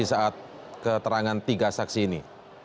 di saat keterangan tiga saksi ini